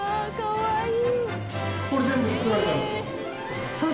かわいい！